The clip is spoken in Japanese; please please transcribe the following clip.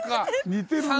似てるね。